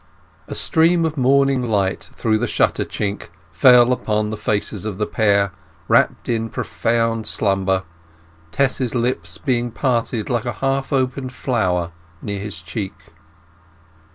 A stream of morning light through the shutter chink fell upon the faces of the pair, wrapped in profound slumber, Tess's lips being parted like a half opened flower near his cheek.